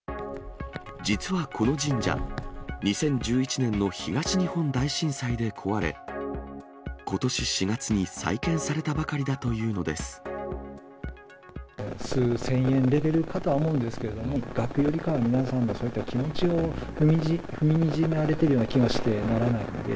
実はこの神社、２０１１年の東日本大震災で壊れ、ことし４月に再建されたばかりだというので数千円レベルかとは思うんですけれども、額よりかは皆さんのそういった気持ちを踏みにじられているような気がしてならないので。